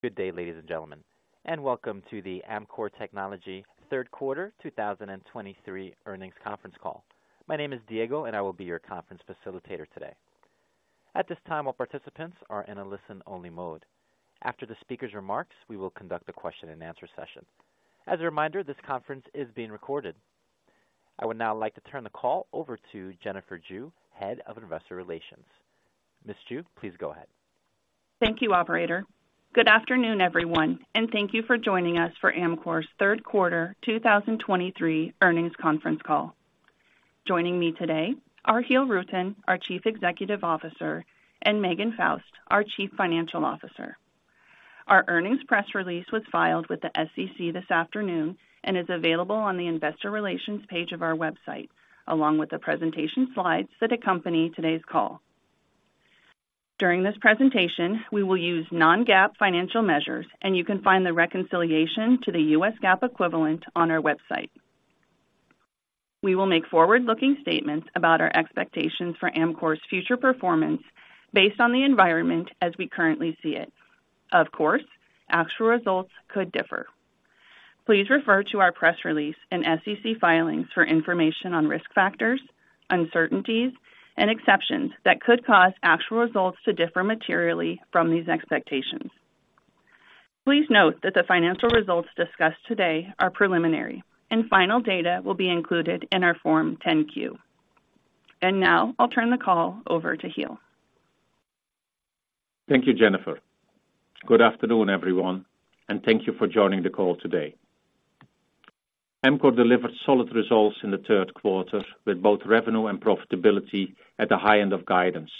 Good day, ladies and gentlemen, and Welcome to the Amkor Technology Q3 2023 Earnings Conference Call. My name is Diego, and I will be your conference facilitator today. At this time, all participants are in a listen-only mode. After the speaker's remarks, we will conduct a question-and-answer session. As a reminder, this conference is being recorded. I would now like to turn the call over to Jennifer Jue, Head of Investor Relations. Miss Jue, please go ahead. Thank you, operator. Good afternoon, everyone, and thank you for joining us for Amkor's Q3 2023 earnings conference call. Joining me today are Giel Rutten, our Chief Executive Officer, and Megan Faust, our Chief Financial Officer. Our earnings press release was filed with the SEC this afternoon and is available on the investor relations page of our website, along with the presentation slides that accompany today's call. During this presentation, we will use non-GAAP financial measures, and you can find the reconciliation to the U.S. GAAP equivalent on our website. We will make forward-looking statements about our expectations for Amkor's future performance based on the environment as we currently see it. Of course, actual results could differ. Please refer to our press release and SEC filings for information on risk factors, uncertainties, and exceptions that could cause actual results to differ materially from these expectations. Please note that the financial results discussed today are preliminary, and final data will be included in our Form 10-Q. And now I'll turn the call over to Giel. Thank you, Jennifer. Good afternoon, everyone, and thank you for joining the call today. Amkor delivered solid results in the Q3, with both revenue and profitability at the high end of guidance.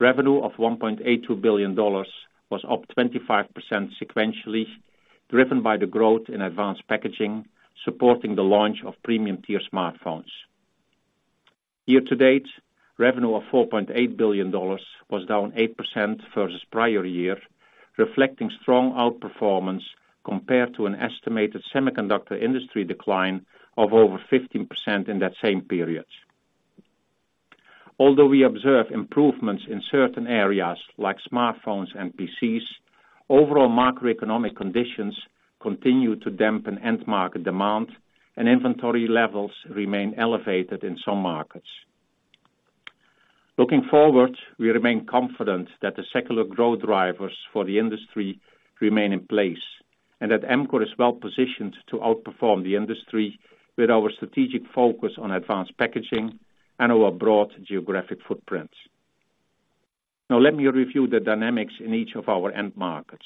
Revenue of $1.82 billion was up 25% sequentially, driven by the growth in advanced packaging, supporting the launch of premium-tier smartphones. Year to date, revenue of $4.8 billion was down 8% versus prior year, reflecting strong outperformance compared to an estimated semiconductor industry decline of over 15% in that same period. Although we observe improvements in certain areas like smartphones and PCs, overall macroeconomic conditions continue to dampen end-market demand and inventory levels remain elevated in some markets. Looking forward, we remain confident that the secular growth drivers for the industry remain in place, and that Amkor is well-positioned to outperform the industry with our strategic focus on advanced packaging and our broad geographic footprint. Now, let me review the dynamics in each of our end markets.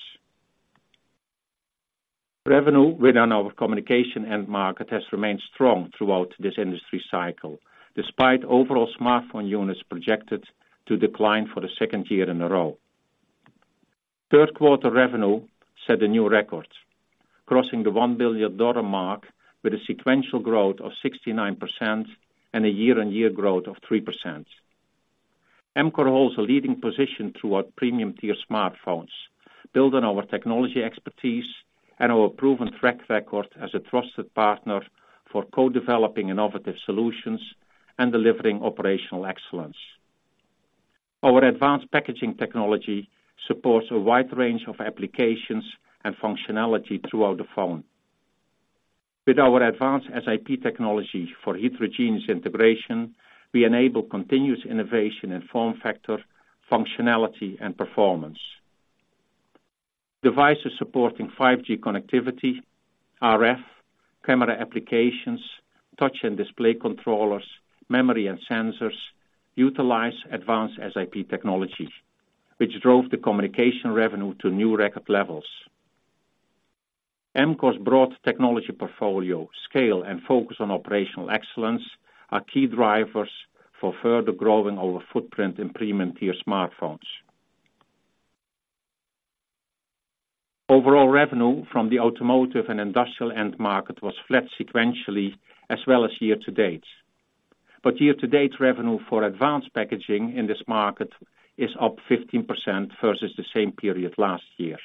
Revenue within our communication end market has remained strong throughout this industry cycle, despite overall smartphone units projected to decline for the second year in a row. Q3 revenue set a new record, crossing the $1 billion mark with a sequential growth of 69% and a year-on-year growth of 3%. Amkor holds a leading position throughout premium-tier smartphones, building on our technology expertise and our proven track record as a trusted partner for co-developing innovative solutions and delivering operational excellence. Our advanced packaging technology supports a wide range of applications and functionality throughout the phone. With our advanced SiP technology for heterogeneous integration, we enable continuous innovation in form factor, functionality, and performance. Devices supporting 5G connectivity, RF, camera applications, touch and display controllers, memory and sensors, utilize advanced SiP technology, which drove the communication revenue to new record levels. Amkor's broad technology portfolio, scale, and focus on operational excellence are key drivers for further growing our footprint in premium-tier smartphones. Overall revenue from the automotive and industrial end market was flat sequentially as well as year-to-date. But year-to-date revenue for advanced packaging in this market is up 15% versus the same period last year.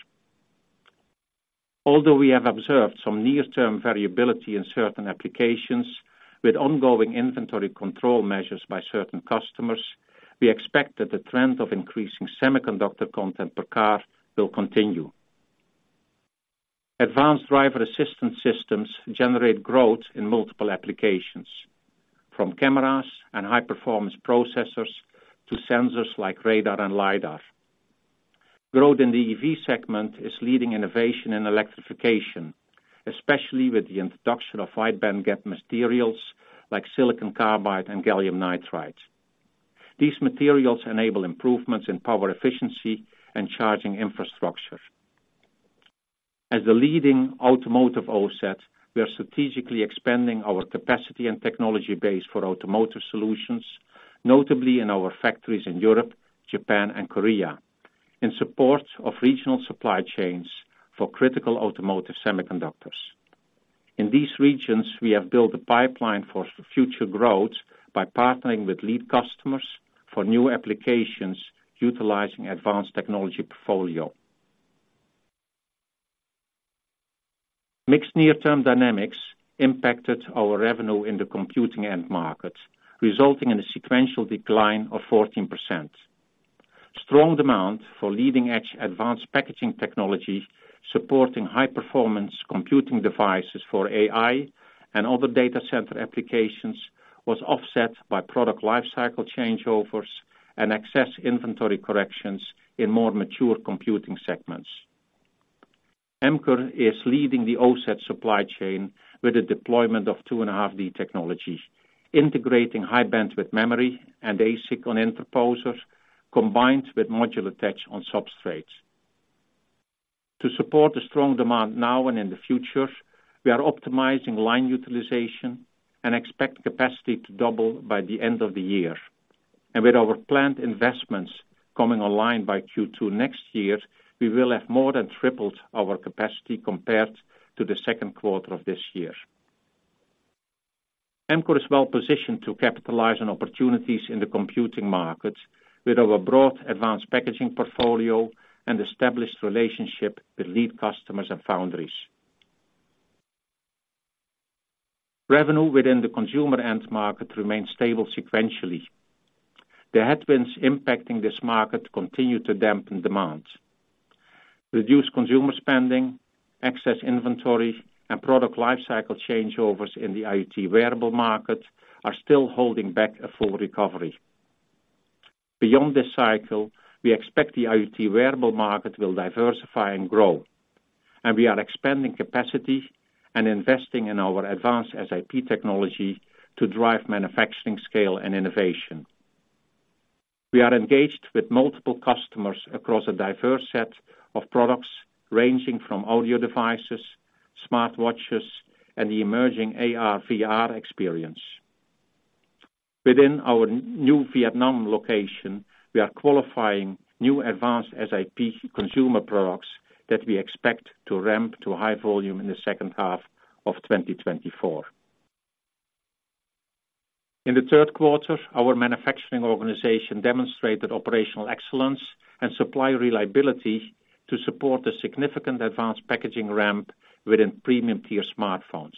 Although we have observed some near-term variability in certain applications with ongoing inventory control measures by certain customers, we expect that the trend of increasing semiconductor content per car will continue. Advanced driver assistance systems generate growth in multiple applications, from cameras and high-performance processors to sensors like radar and lidar. Growth in the EV segment is leading innovation in electrification, especially with the introduction of wide-bandgap materials like silicon carbide and gallium nitride. These materials enable improvements in power efficiency and charging infrastructure. As the leading automotive OSAT, we are strategically expanding our capacity and technology base for automotive solutions, notably in our factories in Europe, Japan, and Korea, in support of regional supply chains for critical automotive semiconductors. In these regions, we have built a pipeline for future growth by partnering with lead customers for new applications utilizing advanced technology portfolio. Mixed near-term dynamics impacted our revenue in the computing end market, resulting in a sequential decline of 14%. Strong demand for leading-edge advanced packaging technology, supporting high-performance computing devices for AI and other data center applications, was offset by product lifecycle changeovers and excess inventory corrections in more mature computing segments. Amkor is leading the offset supply chain with the deployment of 2.5D technologies, integrating high-bandwidth memory and ASIC on interposers, combined with modular attach on substrates. To support the strong demand now and in the future, we are optimizing line utilization and expect capacity to double by the end of the year. With our planned investments coming online by Q2 next year, we will have more than tripled our capacity compared to the Q2 of this year. Amkor is well-positioned to capitalize on opportunities in the computing market with our broad advanced packaging portfolio and established relationship with lead customers and foundries. Revenue within the consumer end market remains stable sequentially. The headwinds impacting this market continue to dampen demand. Reduced consumer spending, excess inventory, and product lifecycle changeovers in the IoT wearable market are still holding back a full recovery. Beyond this cycle, we expect the IoT wearable market will diversify and grow, and we are expanding capacity and investing in our advanced SiP technology to drive manufacturing scale and innovation. We are engaged with multiple customers across a diverse set of products, ranging from audio devices, smartwatches, and the emerging AR/VR experience. Within our new Vietnam location, we are qualifying new advanced SiP consumer products that we expect to ramp to high volume in the second half of 2024. In the Q3, our manufacturing organization demonstrated operational excellence and supply reliability to support a significant advanced packaging ramp within premium-tier smartphones.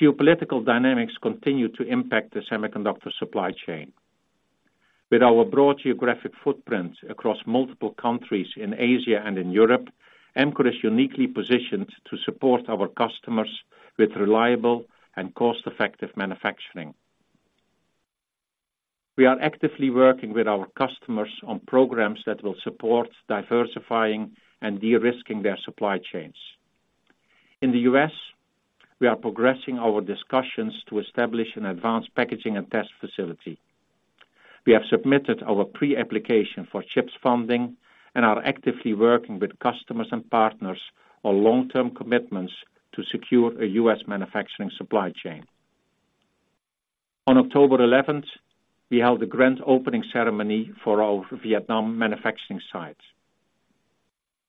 Geopolitical dynamics continue to impact the semiconductor supply chain. With our broad geographic footprint across multiple countries in Asia and in Europe, Amkor is uniquely positioned to support our customers with reliable and cost-effective manufacturing. We are actively working with our customers on programs that will support diversifying and de-risking their supply chains. In the U.S., we are progressing our discussions to establish an advanced packaging and test facility. We have submitted our pre-application for CHIPS funding and are actively working with customers and partners on long-term commitments to secure a U.S. manufacturing supply chain. On 11 October 2023, we held a grand opening ceremony for our Vietnam manufacturing site.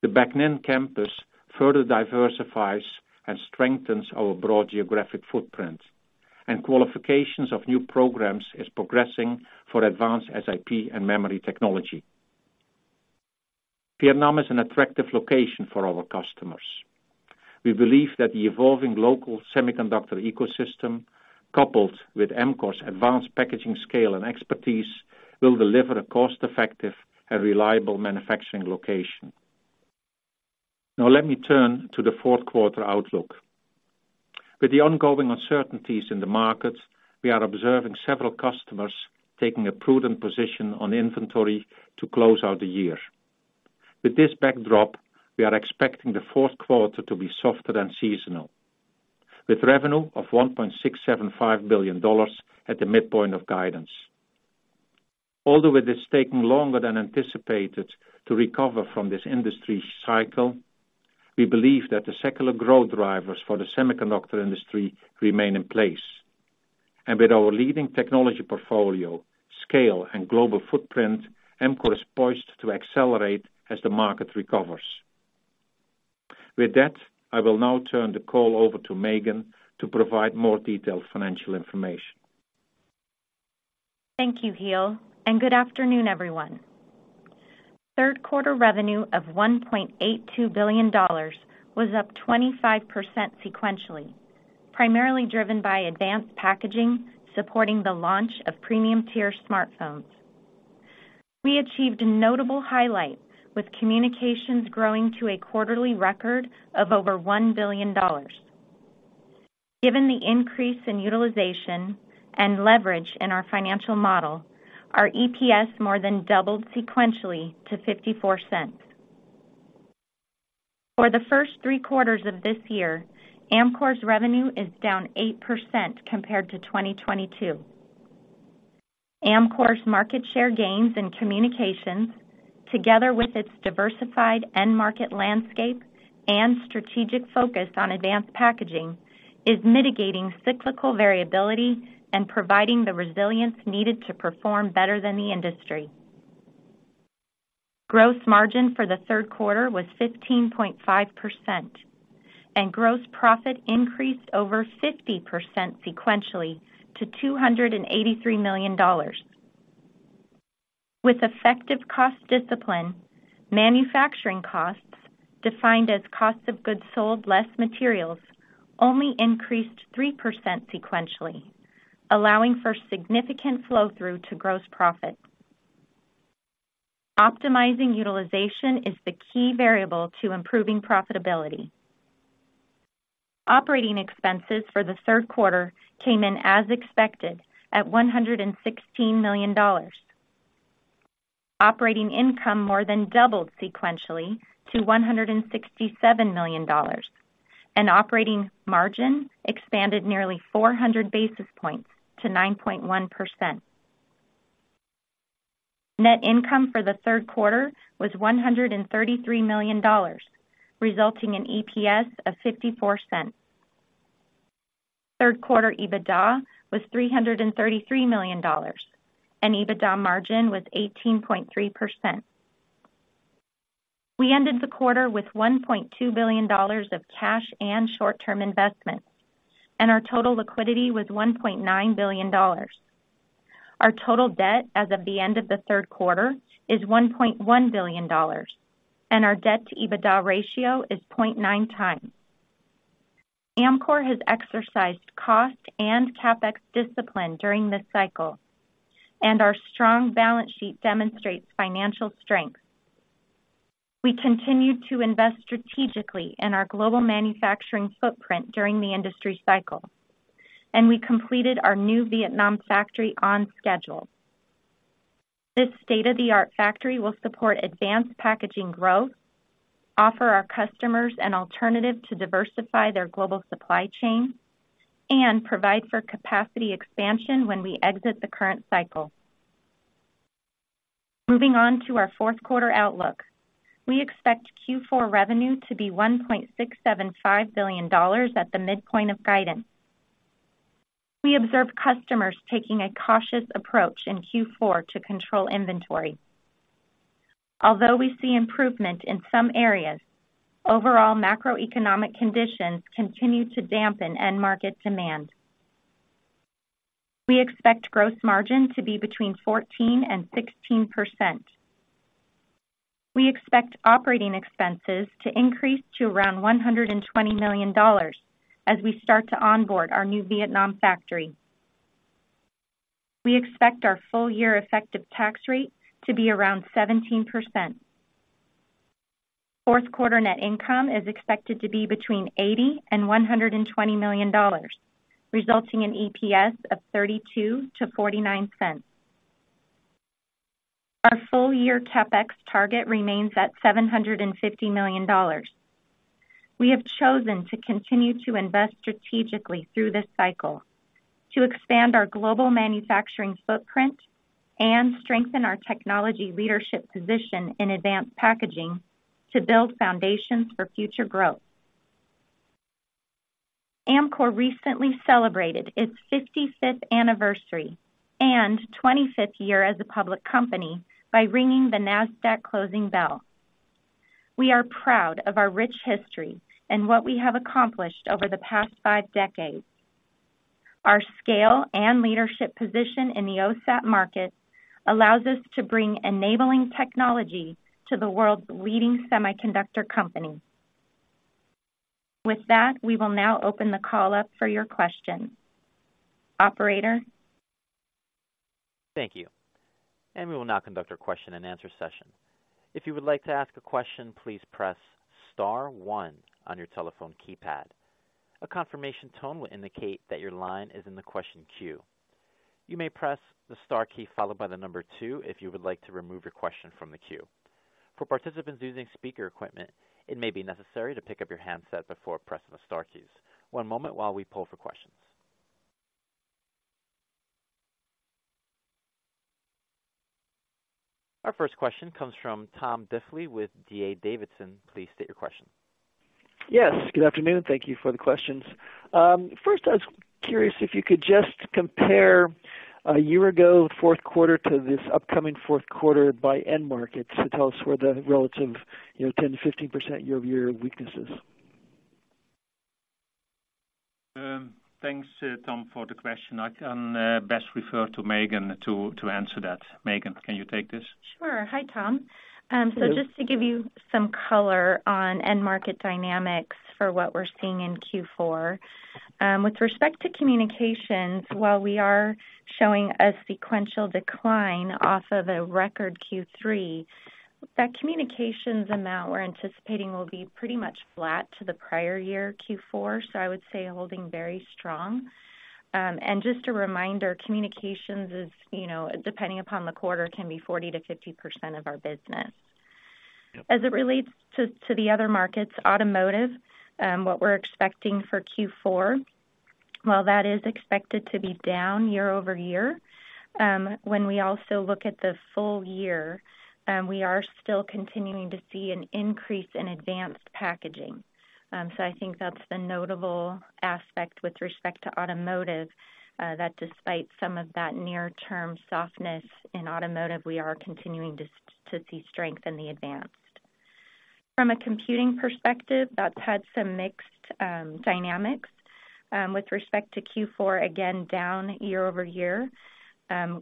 The Bac Ninh campus further diversifies and strengthens our broad geographic footprint, and qualifications of new programs is progressing for advanced SiP and memory technology. Vietnam is an attractive location for our customers. We believe that the evolving local semiconductor ecosystem, coupled with Amkor's advanced packaging scale and expertise, will deliver a cost-effective and reliable manufacturing location. Now, let me turn to the Q4 outlook. With the ongoing uncertainties in the market, we are observing several customers taking a prudent position on inventory to close out the year. With this backdrop, we are expecting the Q4 to be softer than seasonal, with revenue of $1.675 billion at the midpoint of guidance. Although it is taking longer than anticipated to recover from this industry cycle, we believe that the secular growth drivers for the semiconductor industry remain in place. With our leading technology portfolio, scale, and global footprint, Amkor is poised to accelerate as the market recovers. With that, I will now turn the call over to Megan to provide more detailed financial information. Thank you, Giel, and good afternoon, everyone. Q3 revenue of $1.82 billion was up 25% sequentially, primarily driven by advanced packaging, supporting the launch of premium-tier smartphones. We achieved a notable highlight with communications growing to a quarterly record of over $1 billion. Given the increase in utilization and leverage in our financial model, our EPS more than doubled sequentially to $0.54. For the first three quarters of this year, Amkor's revenue is down 8% compared to 2022. Amkor's market share gains in communications, together with its diversified end market landscape and strategic focus on advanced packaging, is mitigating cyclical variability and providing the resilience needed to perform better than the industry. Gross margin for the Q3 was 15.5%, and gross profit increased over 50% sequentially to $283 million. With effective cost discipline, manufacturing costs, defined as cost of goods sold less materials, only increased 3% sequentially, allowing for significant flow-through to gross profit. Optimizing utilization is the key variable to improving profitability. Operating expenses for the Q3 came in as expected, at $116 million. Operating income more than doubled sequentially to $167 million, and operating margin expanded nearly 400 basis points to 9.1%. Net income for the Q3 was $133 million, resulting in EPS of $0.54. Q3 EBITDA was $333 million, and EBITDA margin was 18.3%. We ended the quarter with $1.2 billion of cash and short-term investments, and our total liquidity was $1.9 billion. Our total debt as of the end of the Q3 is $1.1 billion, and our debt-to-EBITDA ratio is 0.9x. Amkor has exercised cost and CapEx discipline during this cycle, and our strong balance sheet demonstrates financial strength. We continued to invest strategically in our global manufacturing footprint during the industry cycle, and we completed our new Vietnam factory on schedule. This state-of-the-art factory will support advanced packaging growth, offer our customers an alternative to diversify their global supply chain, and provide for capacity expansion when we exit the current cycle. Moving on to our Q4 outlook. We expect Q4 revenue to be $1.675 billion at the midpoint of guidance. We observe customers taking a cautious approach in Q4 to control inventory. Although we see improvement in some areas, overall macroeconomic conditions continue to dampen end market demand. We expect gross margin to be between 14% and 16%. We expect operating expenses to increase to around $120 million as we start to onboard our new Vietnam factory. We expect our full year effective tax rate to be around 17%. Q4 net income is expected to be between $80 million and $120 million, resulting in EPS of $0.32-$0.49. Our full-year CapEx target remains at $750 million. We have chosen to continue to invest strategically through this cycle to expand our global manufacturing footprint and strengthen our technology leadership position in advanced packaging to build foundations for future growth. Amkor recently celebrated its 55th anniversary and 25th year as a public company by ringing the Nasdaq closing bell. We are proud of our rich history and what we have accomplished over the past five decades. Our scale and leadership position in the OSAT market allows us to bring enabling technology to the world's leading semiconductor companies. With that, we will now open the call up for your questions. Operator? Thank you. And we will now conduct our question-and-answer session. If you would like to ask a question, please press star one on your telephone keypad. A confirmation tone will indicate that your line is in the question queue. You may press the star key followed by the number two, if you would like to remove your question from the queue. For participants using speaker equipment, it may be necessary to pick up your handset before pressing the star keys. One moment while we pull for questions. Our first question comes from Tom Diffely with D.A. Davidson. Please state your question. Yes, good afternoon. Thank you for the questions. First, I was curious if you could just compare a year ago, Q4 to this upcoming Q4 by end markets to tell us where the relative, you know, 10%-15% year-over-year weaknesses? Thanks, Tom, for the question. I can best refer to Megan to answer that. Megan, can you take this? Sure. Hi, Tom. Just to give you some color on end market dynamics for what we're seeing in Q4. With respect to communications, while we are showing a sequential decline off of a record Q3, that communications amount we're anticipating will be pretty much flat to the prior year Q4. So I would say holding very strong. Just a reminder, communications is, you know, depending upon the quarter, 40%-50% of our business. As it relates to the other markets, automotive, what we're expecting for Q4, while that is expected to be down year-over-year, when we also look at the full year, we are still continuing to see an increase in advanced packaging. So I think that's the notable aspect with respect to automotive, that despite some of that near-term softness in automotive, we are continuing to see strength in the advanced. From a computing perspective, that's had some mixed dynamics, with respect to Q4, again, down year-over-year.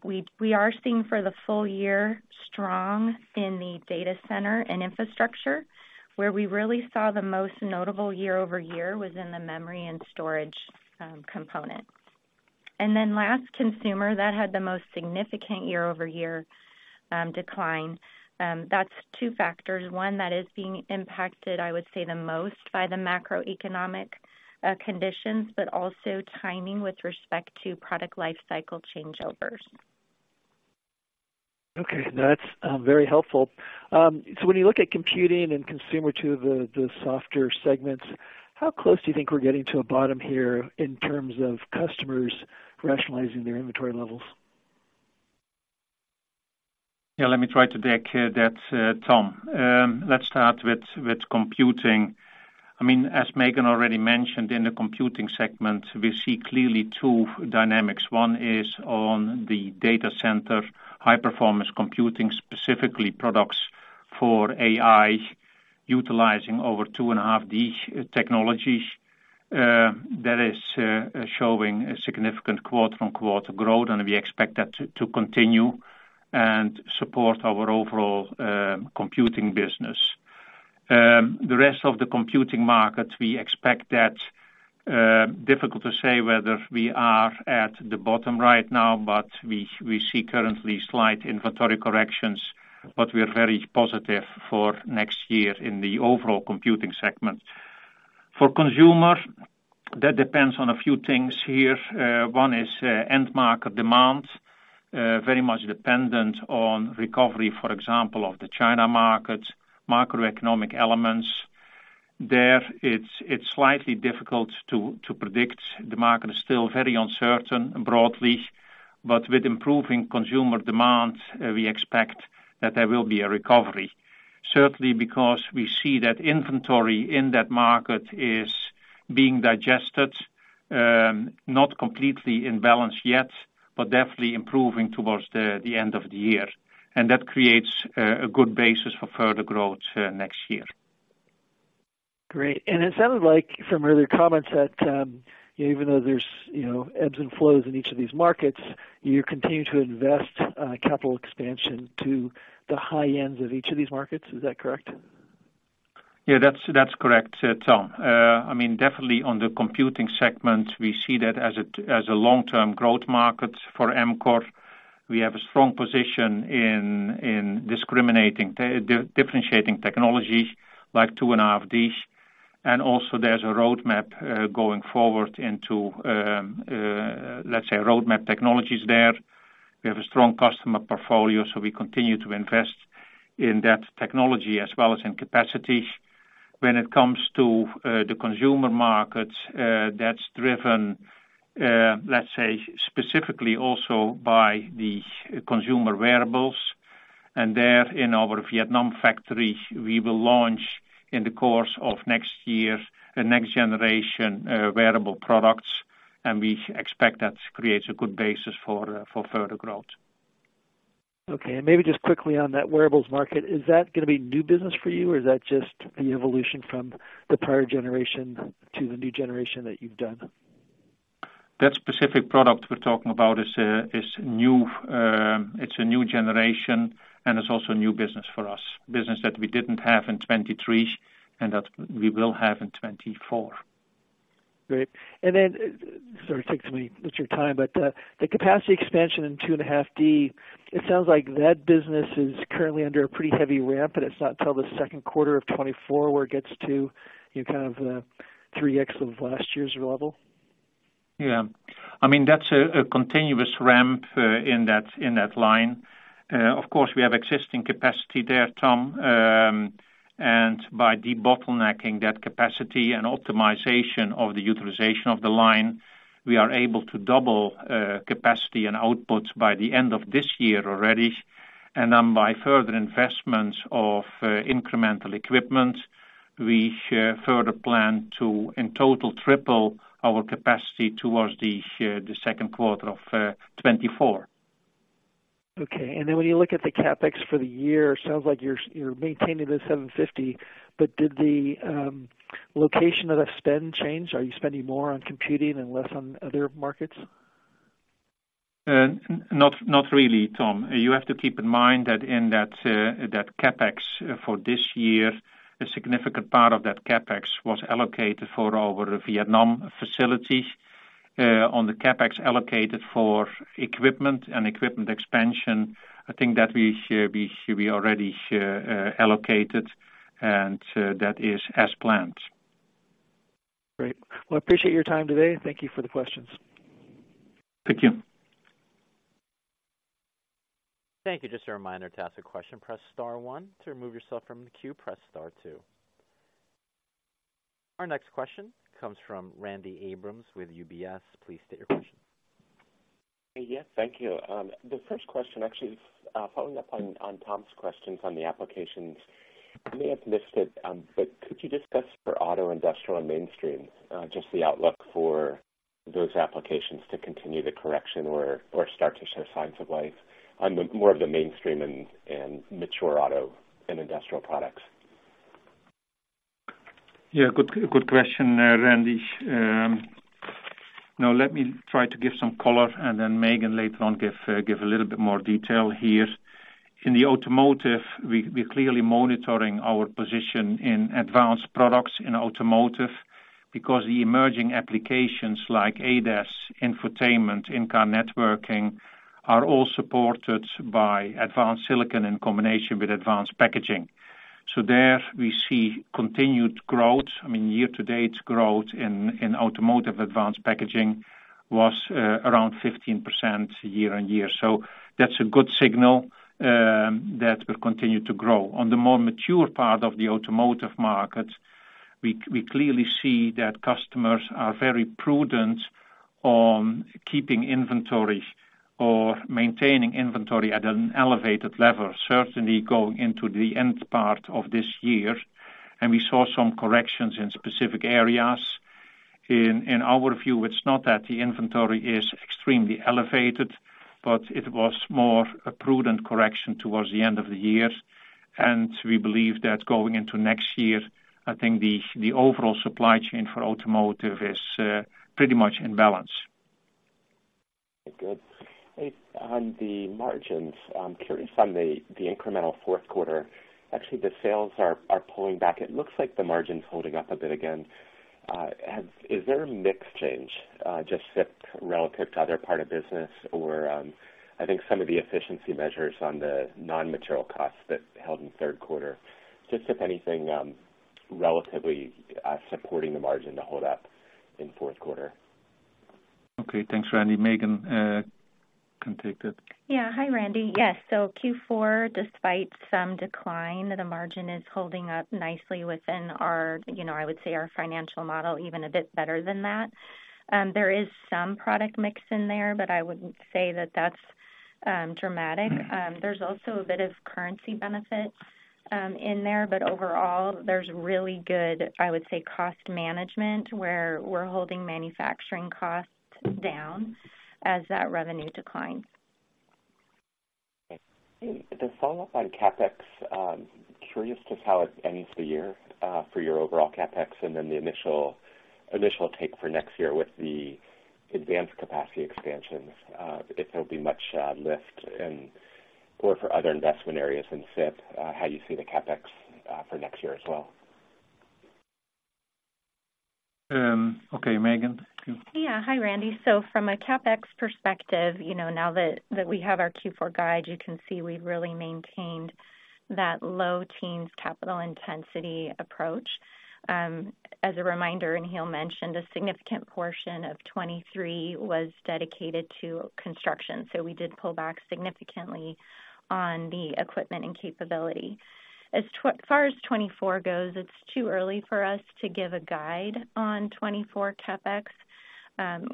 We are seeing for the full year, strong in the data center and infrastructure, where we really saw the most notable year-over-year was in the memory and storage component. And then last, consumer, that had the most significant year-over-year decline. That's two factors. One, that is being impacted, I would say, the most by the macroeconomic conditions, but also timing with respect to product life cycle changeovers. Okay, that's very helpful. So when you look at computing and consumer, two of the softer segments, how close do you think we're getting to a bottom here in terms of customers rationalizing their inventory levels? Yeah, let me try to take, that, Tom. Let's start with, with computing. I mean, as Megan already mentioned, in the computing segment, we see clearly two dynamics. One is on the data center, high-performance computing, specifically products for AI, utilizing 2.5D technologies. That is, showing a significant quarter-on-quarter growth, and we expect that to continue and support our overall, computing business. The rest of the computing market, we expect that, difficult to say whether we are at the bottom right now, but we, we see currently slight inventory corrections, but we are very positive for next year in the overall computing segment. For consumer, that depends on a few things here. One is, end market demand, very much dependent on recovery, for example, of the China market, macroeconomic elements. It's slightly difficult to predict. The market is still very uncertain broadly, but with improving consumer demand, we expect that there will be a recovery. Certainly, because we see that inventory in that market is being digested, not completely in balance yet, but definitely improving towards the end of the year. That creates a good basis for further growth next year. Great. And it sounded like from earlier comments that, even though there's, you know, ebbs and flows in each of these markets, you continue to invest capital expansion to the high ends of each of these markets. Is that correct? Yeah, that's, that's correct, Tom. I mean, definitely on the computing segment, we see that as a, as a long-term growth market for Amkor. We have a strong position in discriminating differentiating technology, like 2.5D, and also there's a roadmap going forward into, let's say, roadmap technologies there. We have a strong customer portfolio, so we continue to invest in that technology as well as in capacity. When it comes to the consumer market, that's driven, let's say, specifically also by the consumer wearables, and there in our Vietnam factory, we will launch, in the course of next year, the next generation wearable products, and we expect that creates a good basis for further growth. Okay. And maybe just quickly on that wearables market, is that gonna be new business for you, or is that just the evolution from the prior generation to the new generation that you've done? That specific product we're talking about is new. It's a new generation, and it's also a new business for us that we didn't have in 2023, and that we will have in 2024. Great. And then, sorry to take up your time, but the capacity expansion in 2.5D, it sounds like that business is currently under a pretty heavy ramp, and it's not till the Q2 of 2024 where it gets to, you know, kind of, 3x of last year's level? Yeah. I mean, that's a continuous ramp in that line. Of course, we have existing capacity there, Tom, and by debottlenecking that capacity and optimization of the utilization of the line, we are able to double capacity and output by the end of this year already. And then by further investments of incremental equipment, we further plan to, in total, triple our capacity towards the Q2 of 2024. Okay. And then when you look at the CapEx for the year, it sounds like you're maintaining the $750 million, but did the location of the spend change? Are you spending more on computing and less on other markets? Not really, Tom. You have to keep in mind that in that CapEx for this year, a significant part of that CapEx was allocated for our Vietnam facility. On the CapEx allocated for equipment expansion, I think that we already allocated, and that is as planned. Great. Well, I appreciate your time today. Thank you for the questions. Thank you. Thank you. Just a reminder, to ask a question, press star one, to remove yourself from the queue, press star two. Our next question comes from Randy Abrams with UBS. Please state your question. Yes, thank you. The first question actually is, following up on Tom's questions on the applications. I may have missed it, but could you discuss for auto, industrial, and mainstream, just the outlook for those applications to continue the correction where, or start to show signs of life on the more of the mainstream and mature auto and industrial products? Yeah, good, good question, Randy. Now let me try to give some color, and then Megan later on, give a little bit more detail here. In the automotive, we're clearly monitoring our position in advanced products in automotive because the emerging applications like ADAS, infotainment, in-car networking, are all supported by advanced silicon in combination with advanced packaging. So there we see continued growth. I mean, year-to-date growth in automotive advanced packaging was around 15% year-over-year. So that's a good signal that will continue to grow. On the more mature part of the automotive market, we clearly see that customers are very prudent on keeping inventory or maintaining inventory at an elevated level, certainly going into the end part of this year, and we saw some corrections in specific areas. In our view, it's not that the inventory is extremely elevated, but it was more a prudent correction towards the end of the year. We believe that going into next year, I think the overall supply chain for automotive is pretty much in balance. Good. On the margins, I'm curious on the incremental Q4. Actually, the sales are pulling back. It looks like the margin's holding up a bit again. Is there a mix change, just SiP relative to other part of business? Or, I think some of the efficiency measures on the non-material costs that held in the Q3, just if anything, relatively, supporting the margin to hold up in Q4. Okay, thanks, Randy. Megan, can take that. Yeah. Hi, Randy. Yes, so Q4, despite some decline, the margin is holding up nicely within our, you know, I would say, our financial model, even a bit better than that. There is some product mix in there, but I wouldn't say that that's dramatic. There's also a bit of currency benefit, in there, but overall, there's really good, I would say, cost management, where we're holding manufacturing costs down as that revenue declines. Okay. To follow-up on CapEx, curious just how it ends the year, for your overall CapEx, and then the initial take for next year with the advanced capacity expansions, if there'll be much lift and or for other investment areas in SIP, how you see the CapEx, for next year as well? Okay, Megan? Yeah. Hi, Randy. So from a CapEx perspective, you know, now that we have our Q4 guide, you can see we've really maintained that low teens capital intensity approach. As a reminder, and he'll mention, the significant portion of 2023 was dedicated to construction, so we did pull back significantly on the equipment and capability. As far as 2024 goes, it's too early for us to give a guide on 2024 CapEx.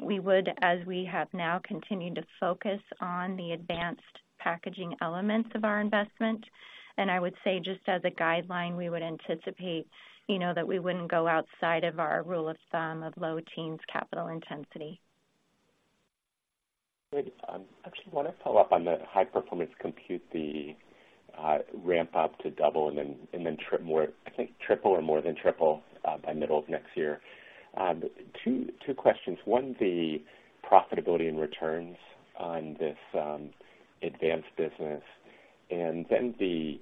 We would, as we have now, continue to focus on the advanced packaging elements of our investment. And I would say, just as a guideline, we would anticipate, you know, that we wouldn't go outside of our rule of thumb of low teens capital intensity. Great. Actually, I wanna follow-up on the high performance compute ramp up to double and then triple or more than triple by middle of next year. Two questions. One, the profitability and returns on this advanced business, and then the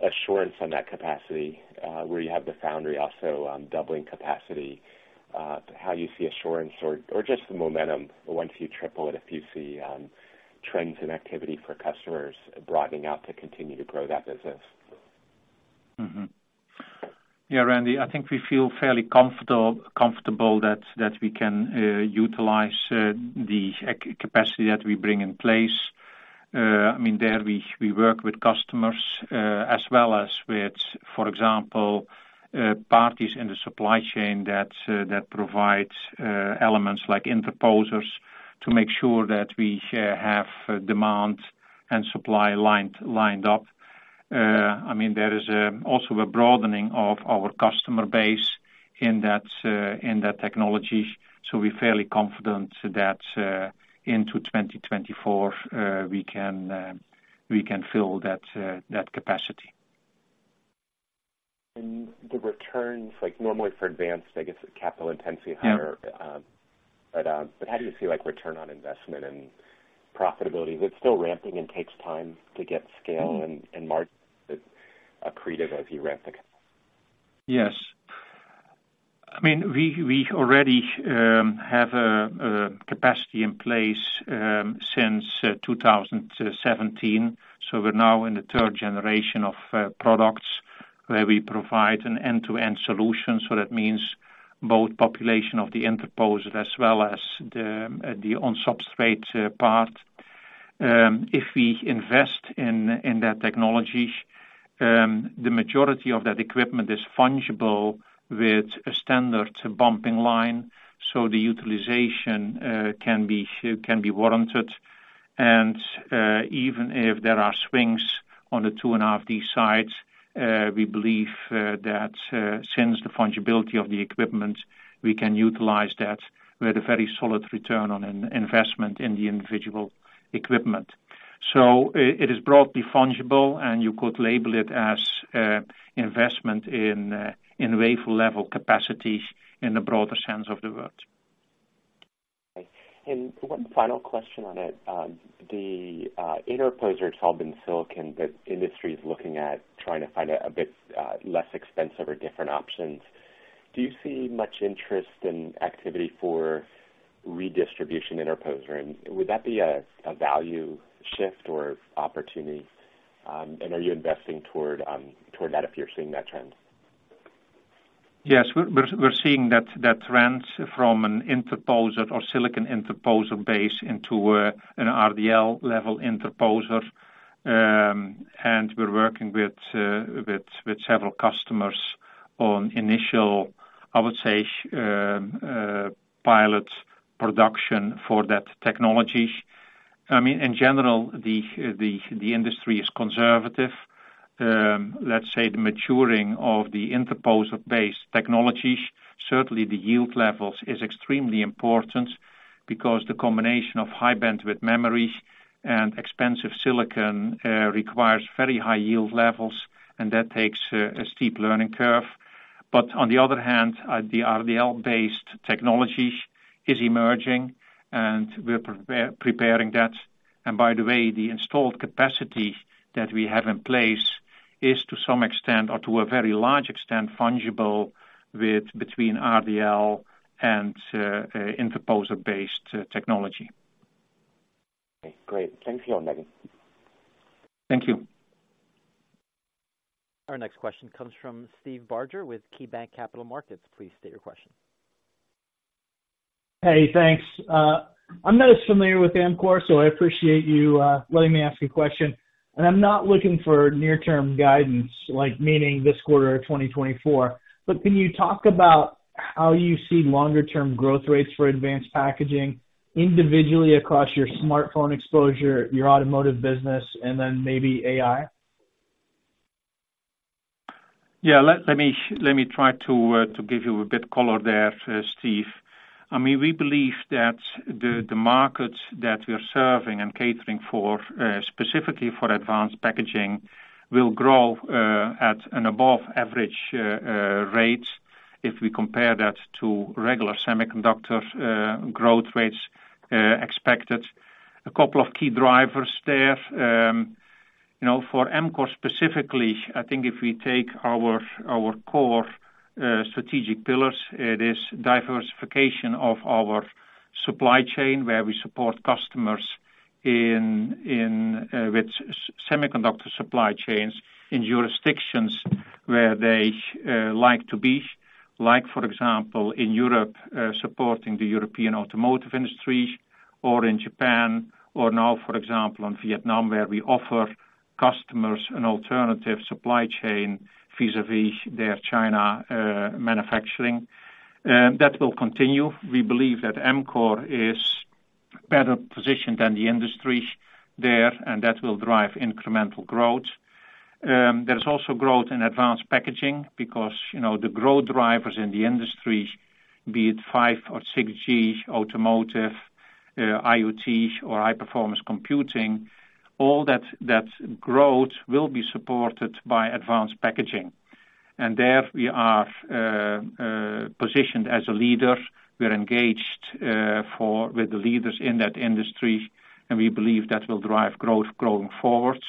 assurance on that capacity where you have the foundry also doubling capacity, how you see assurance or just the momentum once you triple it, if you see trends and activity for customers broadening out to continue to grow that business. Yeah, Randy, I think we feel fairly comfortable that we can utilize the capacity that we bring in place. I mean, we work with customers as well as with, for example, parties in the supply chain that provide elements like interposers to make sure that we have demand and supply lined up. I mean, there is also a broadening of our customer base in that technology, so we're fairly confident that into 2024 we can fill that capacity. The returns, like, normally for advanced, I guess, capital intensity higher. Yeah. But how do you see, like, return on investment and profitability? It's still ramping and takes time to get scale-and margin accretive as you ramp it? Yes. I mean, we already have a capacity in place since 2017, so we're now in the third generation of products, where we provide an end-to-end solution. So that means both population of the interposer as well as the on-substrate part. If we invest in that technology, the majority of that equipment is fungible with a standard bumping line, so the utilization can be warranted. And even if there are swings on the 2.5D sides, we believe that since the fungibility of the equipment, we can utilize that with a very solid return on investment in the individual equipment. So it is broadly fungible, and you could label it as investment in wafer-level capacities in the broader sense of the word. One final question on it. The interposer, it's all been silicon, but industry is looking at trying to find a bit less expensive or different options. Do you see much interest in activity for redistribution interposer? And would that be a value shift or opportunity, and are you investing toward that if you're seeing that trend? Yes, we're seeing that trend from an interposer or silicon interposer base into an RDL-level interposer. And we're working with several customers on initial, I would say, pilot production for that technology. I mean, in general, the industry is conservative. Let's say, the maturing of the interposer-based technologies, certainly the yield levels is extremely important because the combination of high bandwidth memory and expensive silicon requires very high yield levels, and that takes a steep learning curve. But on the other hand, the RDL-based technology is emerging, and we're preparing that. And by the way, the installed capacity that we have in place is, to some extent or to a very large extent, fungible with between RDL and interposer-based technology. Okay, great. Thank you, Giel, Megan. Thank you. Our next question comes from Steve Barger with KeyBanc Capital Markets. Please state your question. Hey, thanks. I'm not as familiar with Amkor, so I appreciate you letting me ask a question. I'm not looking for near-term guidance, like, meaning this quarter or 2024. But can you talk about how you see longer-term growth rates for advanced packaging individually across your smartphone exposure, your automotive business, and then maybe AI? Yeah. Let me try to give you a bit of color there, Steve. I mean, we believe that the markets that we are serving and catering for, specifically for advanced packaging, will grow at an above average rate if we compare that to regular semiconductor growth rates expected. A couple of key drivers there. You know, for Amkor specifically, I think if we take our core strategic pillars, it is diversification of our supply chain, where we support customers in with semiconductor supply chains in jurisdictions where they like to be. Like, for example, in Europe, supporting the European automotive industry, or in Japan, or now, for example, in Vietnam, where we offer customers an alternative supply chain vis-a-vis their China manufacturing. That will continue. We believe that Amkor is better positioned than the industry there, and that will drive incremental growth. There is also growth in advanced packaging because, you know, the growth drivers in the industry, be it 5G or 6G, automotive, IoT, or high-performance computing, all that, that growth will be supported by advanced packaging. And there we are positioned as a leader. We're engaged with the leaders in that industry, and we believe that will drive growth growing forward.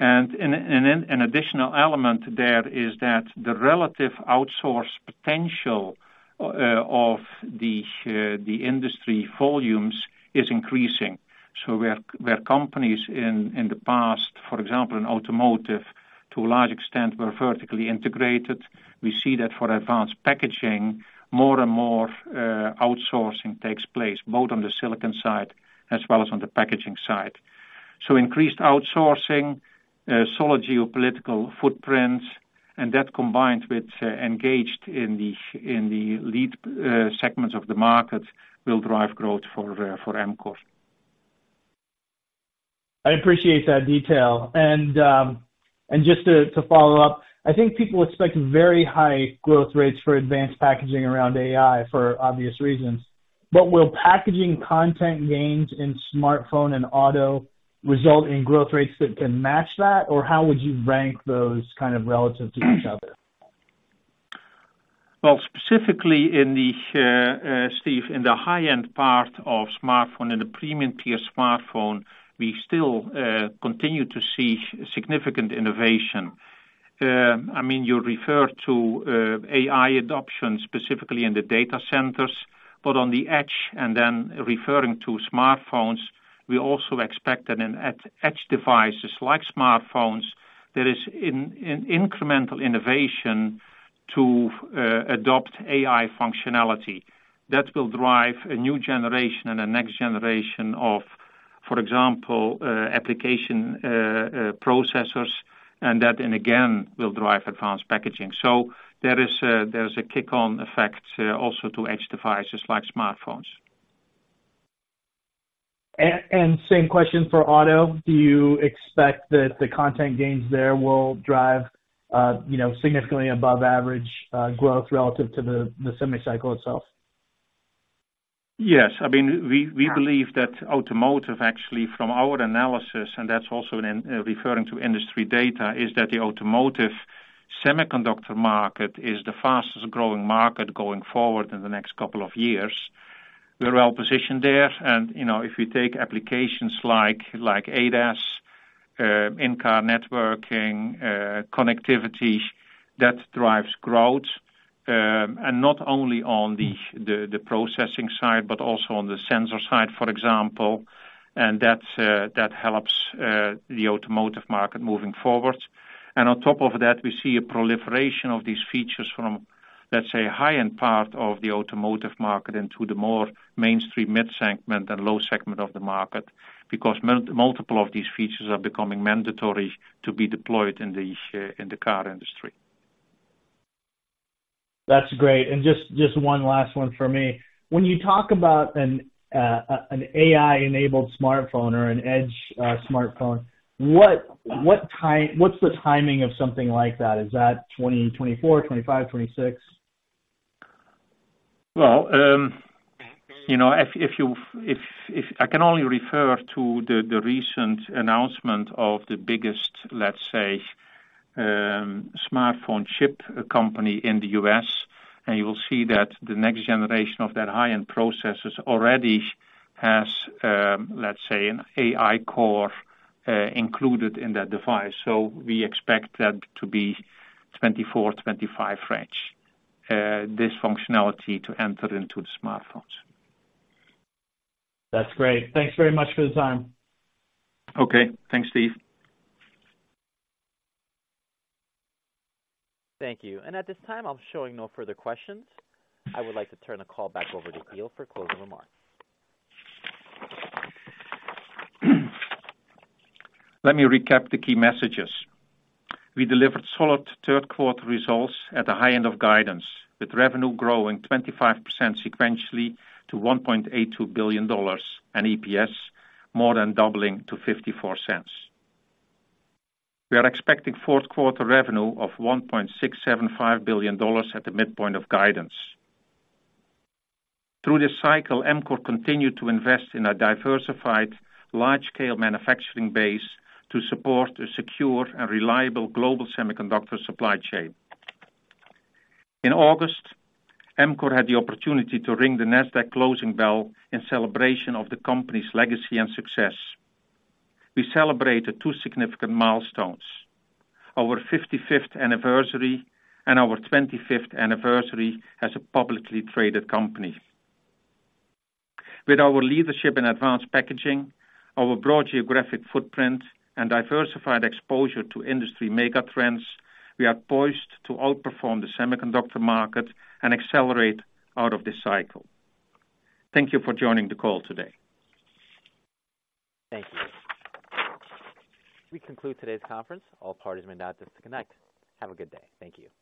And then an additional element there is that the relative outsource potential of the industry volumes is increasing. So where companies in the past, for example, in automotive, to a large extent, were vertically integrated, we see that for advanced packaging, more and more, outsourcing takes place, both on the silicon side as well as on the packaging side. So increased outsourcing, solid geopolitical footprint, and that combined with engaged in the lead segments of the market, will drive growth for Amkor. I appreciate that detail. And just to follow-up, I think people expect very high growth rates for advanced packaging around AI, for obvious reasons. But will packaging content gains in smartphone and auto result in growth rates that can match that? Or how would you rank those kind of relative to each other? Well, specifically in the, Steve, in the high-end part of smartphone, in the premium tier smartphone, we still continue to see significant innovation. I mean, you refer to AI adoption, specifically in the data centers, but on the edge, and then referring to smartphones, we also expect that in at edge devices like smartphones, there is incremental innovation to adopt AI functionality. That will drive a new generation and the next generation of, for example, application processors. And that, and again, will drive advanced packaging. So there is a, there's a kick-on effect also to edge devices like smartphones. Same question for auto. Do you expect that the content gains there will drive, you know, significantly above average growth relative to the semi cycle itself? Yes. I mean, we believe that automotive actually, from our analysis, and that's also in, referring to industry data, is that the automotive semiconductor market is the fastest-growing market going forward in the next couple of years. We're well positioned there, and, you know, if you take applications like ADAS, in-car networking, connectivity, that drives growth, and not only on the processing side, but also on the sensor side, for example, and that helps the automotive market moving forward. And on top of that, we see a proliferation of these features from, let's say, high-end part of the automotive market into the more mainstream mid-segment and low segment of the market, because multiple of these features are becoming mandatory to be deployed in the car industry. That's great, and just, just one last one for me. When you talk about an AI-enabled smartphone or an edge smartphone, what's the timing of something like that? Is that 2024, 2025, 2026? Well, you know, if I can only refer to the recent announcement of the biggest, let's say, smartphone chip company in the U.S., and you will see that the next generation of that high-end processors already has, let's say, an AI core included in that device. So we expect that to be 2024-2025 range, this functionality to enter into the smartphones. That's great. Thanks very much for the time. Okay. Thanks, Steve. Thank you. At this time, I'm showing no further questions. I would like to turn the call back over to Giel for closing remarks. Let me recap the key messages. We delivered solid Q3 results at the high end of guidance, with revenue growing 25% sequentially to $1.82 billion, and EPS more than doubling to $0.54. We are expecting Q4 revenue of $1.675 billion at the midpoint of guidance. Through this cycle, Amkor continued to invest in a diversified, large-scale manufacturing base to support a secure and reliable global semiconductor supply chain. In August, Amkor had the opportunity to ring the Nasdaq closing bell in celebration of the company's legacy and success. We celebrated two significant milestones, our 55th anniversary and our 25th anniversary as a publicly traded company. With our leadership in advanced packaging, our broad geographic footprint, and diversified exposure to industry mega trends, we are poised to outperform the semiconductor market and accelerate out of this cycle. Thank you for joining the call today. Thank you. We conclude today's conference. All parties may now disconnect. Have a good day. Thank you.